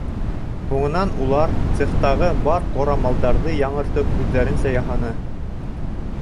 Һуңынан улар цехтағы бар ҡорамалдарҙы яңыртып, үҙҙәренсә яһаны.